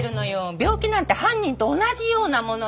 病気なんて犯人と同じようなものよ。